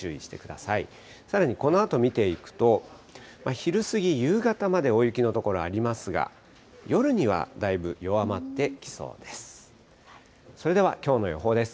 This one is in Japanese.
さらにこのあと見ていくと、昼過ぎ、夕方まで大雪の所ありますが、夜にはだいぶ、弱まってきそうです。